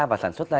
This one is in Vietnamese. và sản xuất ra